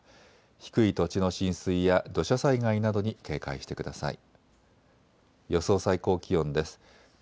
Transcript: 低い土地の浸水や土砂災害などに警戒してください。